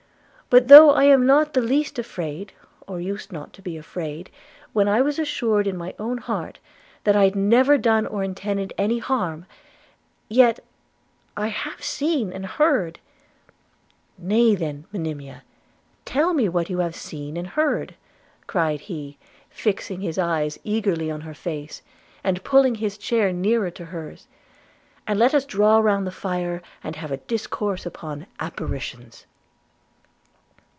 But though I am not the least afraid, or used not to be afraid, when I was assured in my own heart that I had never done or intended any harm, yet I have seen and heard –' 'Nay then, Monimia, tell me what you have seen and heard,' cried he, fixing his eyes eagerly on her face, and pulling his chair nearer to hers, 'and let us draw round the fire and have a discourse upon apparitions.'